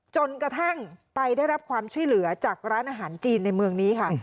จนกระทั่งไปได้รับความช่วยเหลือจากร้านอาหารจีนในเมืองนี้ค่ะ